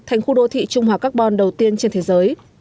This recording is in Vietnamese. thành khu đô thị trung hòa carbon đầu tiên trên thế giới